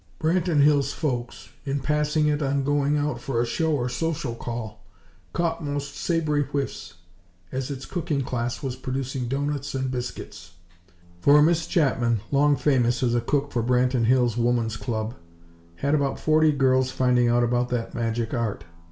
Branton Hills folks, in passing it on going out for a show or social call, caught most savory whiffs, as its cooking class was producing doughnuts and biscuits; for a Miss Chapman, long famous as a cook for Branton Hills' Woman's Club, had about forty girls finding out about that magic art.